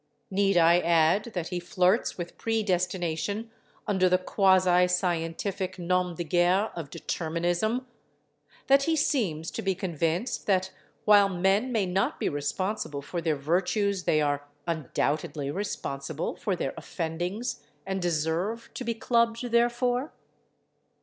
Need I add that he flirts with predestination under the quasi scientific nom de guerre of determinism—that he seems to be convinced that, while men may not be responsible for their virtues, they are undoubtedly responsible for their offendings, and deserve to be clubbed therefor?...